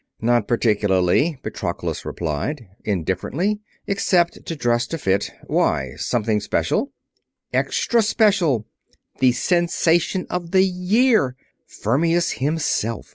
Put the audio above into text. "Not particularly," Patroclus replied, indifferently. "Except to dress to fit. Why? Something special?" "Extra special. The sensation of the year. Fermius himself.